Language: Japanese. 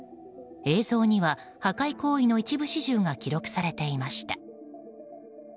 映像には破壊行為の一部始終が記録されていました。